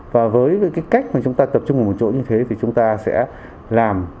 và với cái cách mà chúng ta tập trung một chỗ như thế thì chúng ta sẽ làm